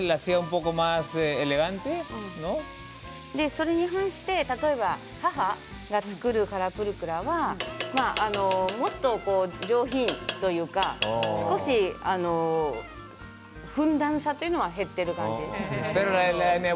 それに反して、例えば母が作るカラプルクラはもっと上品というか少し、ふんだんさというのは減っています。